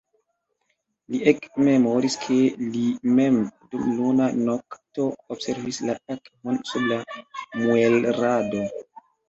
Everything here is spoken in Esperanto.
Li ekmemoris, ke li mem, dum luna nokto, observis la akvon sub la muelrado.